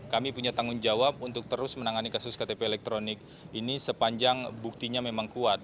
kami punya tanggung jawab untuk terus menangani kasus ktp elektronik ini sepanjang buktinya memang kuat